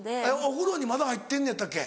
お風呂にまだ入ってんのやったっけ？